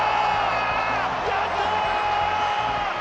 やったー！